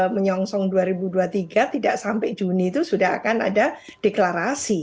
menyongsong dua ribu dua puluh tiga tidak sampai juni itu sudah akan ada deklarasi